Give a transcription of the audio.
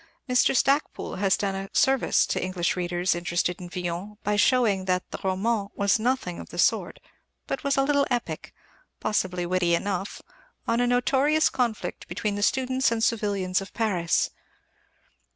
Mr. Stacpoole has done a service to English readers interested in Villon by showing that the Rommant was nothing of the sort, but was a little epic possibly witty enough on a notorious conflict between the students and civilians of Paris.